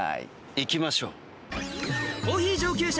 行きましょう。